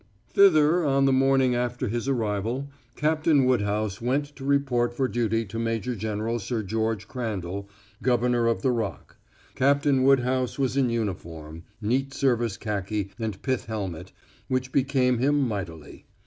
Thither, on the morning after his arrival, Captain Woodhouse went to report for duty to Major general Sir George Crandall, Governor of the Rock. Captain Woodhouse was in uniform neat service khaki and pith helmet, which became him mightily.